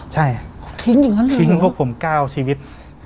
ใช่ทิ้งพวกผมก้าวชีวิต